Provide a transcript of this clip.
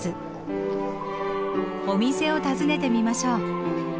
お店を訪ねてみましょう。